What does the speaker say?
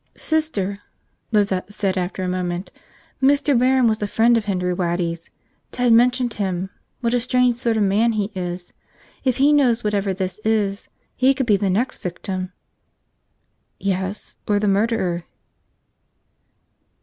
"Sister," Lizette said after a moment, "Mr. Barron was a friend of Henry Waddy's. Ted mentioned him, what a strange sort of man he is. If he knows whatever this is, he could be the next victim." "Yes. Or the murderer."